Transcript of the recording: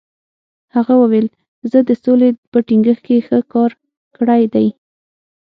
هغه وویل، زه د سولې په ټینګښت کې ښه کار کړی دی.